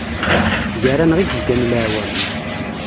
Ger-aneɣ i d-zgan leɛwam.